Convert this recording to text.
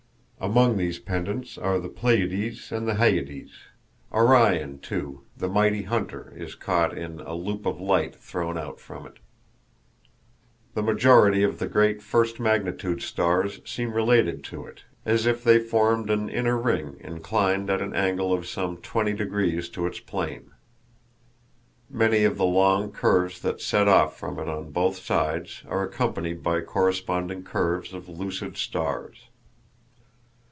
Among these pendants are the Pleiades and the Hyades. Orion, too, the "Mighty Hunter," is caught in "a loop of light" thrown out from it. The majority of the great first magnitude stars seem related to it, as if they formed an inner ring inclined at an angle of some twenty degrees to its plane. Many of the long curves that set off from it on both sides are accompanied by corresponding curves of lucid stars.